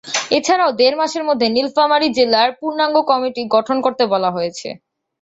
এছাড়াও দেড় মাসের মধ্যে নীলফামারী জেলার পূর্ণাঙ্গ কমিটি গঠন করতে বলা হয়েছে।